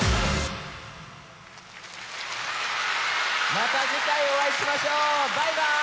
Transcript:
また次回お会いしましょうバイバーイ。